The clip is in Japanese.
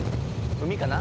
海かな？